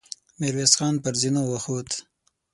ميرويس خان پر زينو وخوت.